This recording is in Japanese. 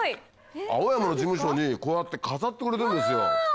青山の事務所にこうやって飾ってくれてるんですよ。